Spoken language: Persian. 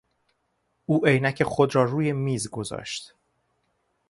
او عینک خود را روی میز گذاشت.